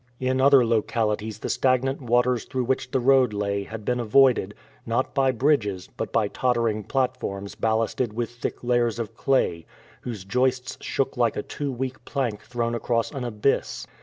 In other localities the stagnant waters through which the road lay had been avoided, not by bridges, but by tottering platforms ballasted with thick layers of clay, whose joists shook like a too weak plank thrown across an abyss.